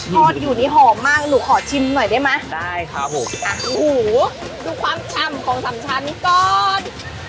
ทอดอยู่นี่หอมมากหนูขอชิมหน่อยได้ไหมได้ครับผมอ่ะโอ้โหดูความฉ่ำของสามชั้นก่อน